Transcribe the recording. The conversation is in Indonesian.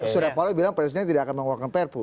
sudah polos bilang presiden tidak akan mengeluarkan perpu